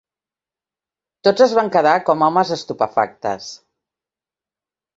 Tots es van quedar com homes estupefactes.